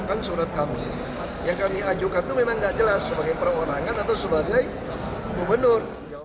kan surat kami yang kami ajukan itu memang tidak jelas sebagai perorangan atau sebagai gubernur